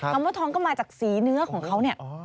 คำว่าทองก็มาจากสีเนื้อของเขาเนี่ย